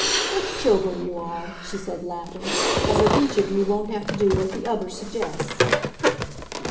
"What children you are!" she said laughing. "As if each of you won't have to do what the other suggests."